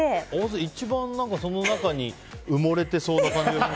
一番その中に埋もれてそうな感じがしますけど。